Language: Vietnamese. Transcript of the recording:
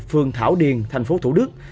phường thảo điền thành phố thủ đức